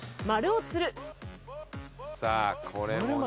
さあこれもね